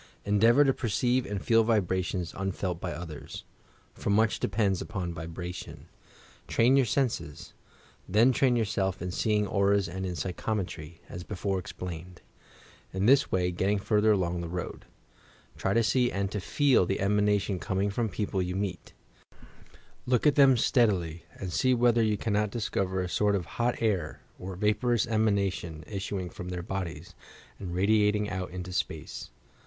Endeavour to perceive and feel vibrations unfelt by others, — for much depends upon vibration. Train your senses. Then train yourself in YOUR PSTCHIC POWERS seeing auras and in psychometry, as before explained, — in this way getting further along the road. Try to see and to feei the emanation coming from people you meet; look at them steadily, and see whether yon cannot dis cover a sort of hot air or vaporous emanation issuing from their bodies, and radiating out into space.